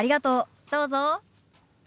どうぞ。